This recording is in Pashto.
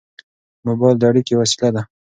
موبایل د اړیکې وسیله ده.